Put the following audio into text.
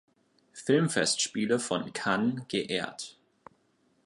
Filmfestspiele von Cannes geehrt.